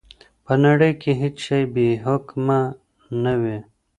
په نړۍ کي هیڅ شی بې حکمه نه وي.